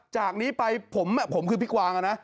จากนี้ไปผมคือพี่กวางนะ